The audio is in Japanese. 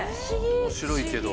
面白いけど。